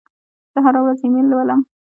زه هره ورځ ایمیل لولم.